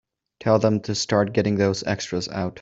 Tell them to start getting those extras out.